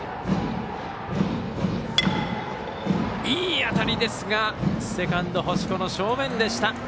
いい当たりですがセカンド、星子の正面でした。